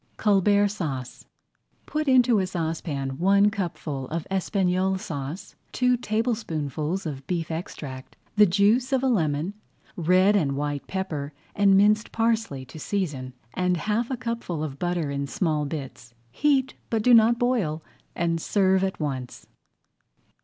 COLBERT SAUCE Put into a saucepan one cupful of Espagnole [Page 20] Sauce, two tablespoonfuls of beef extract, the juice of a lemon, red and white pepper and minced parsley to season, and half a cupful of butter in small bits. Heat, but do not boil, and serve at once.